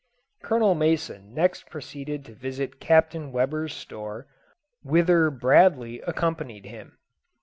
Colonel Mason next proceeded to visit Captain Weber's store, whither Bradley accompanied him.